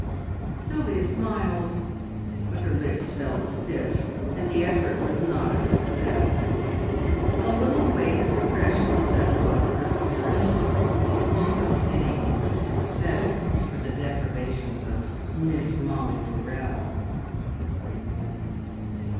Sylvia smiled, but her lips felt stiff, and the effort was not a success. A little weight of depression settled over her spirits. She felt anything but sympathetic for the deprivations of Miss Mollie Burrell.